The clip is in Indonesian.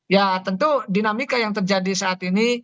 ya tentu dinamika yang terjadi saat ini